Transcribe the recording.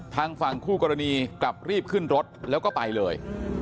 ทางฝั่งคู่กรณีกลับรีบขึ้นรถแล้วก็ไปเลย